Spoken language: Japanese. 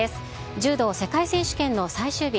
柔道世界選手権の最終日。